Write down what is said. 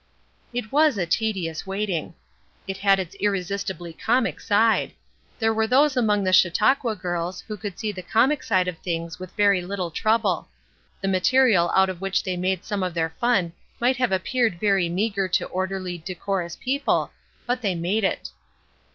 It was a tedious waiting. It had its irresistibly comic side. There were those among the Chautauqua girls who could see the comic side of things with very little trouble. The material out of which they made some of their fun might have appeared very meager to orderly, decorous people. But they made it.